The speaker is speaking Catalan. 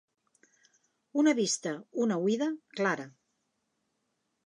Una vista, una oïda, clara.